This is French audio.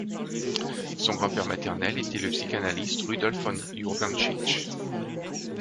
Son grand-père maternel était le psychanalyste Rudolf von Urbantschitsch.